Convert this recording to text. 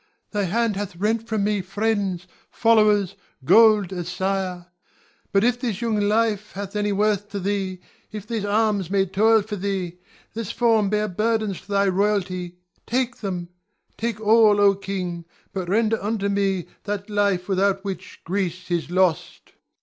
Thy hand hath rent from me friends, followers, gold, a sire. But if this young life hath any worth to thee, if these arms may toil for thee, this form bear burdens to thy royalty, take them, take all, O king, but render unto me that life without which Greece is lost.